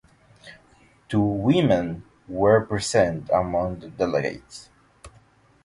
Two women were present among the delegates.